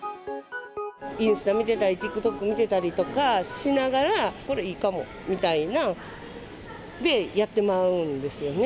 インスタ見てたり、ＴｉｋＴｏｋ見てたりしながら、これいいかもみたいな、で、やってまうんですよね。